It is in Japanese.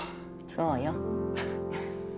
そうよ。